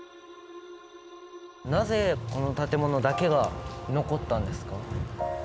なぜ、この建物だけが残ったんですか？